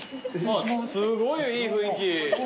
あっすごいいい雰囲気。